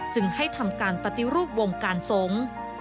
จึงให้ทำการปฏิรูปวงการสงฆ์